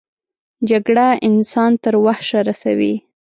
جګړه انسان تر وحشه رسوي